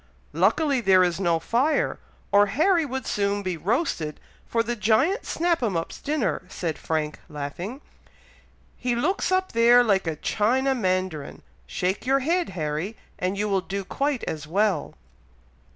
"Luckily there is no fire, or Harry would soon be roasted for the Giant Snap 'em up's dinner," said Frank, laughing; "he looks up there like a China Mandarin. Shake your head, Harry, and you will do quite as well!"